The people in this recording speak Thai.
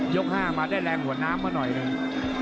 ๕มาได้แรงหัวน้ำมาหน่อยหนึ่ง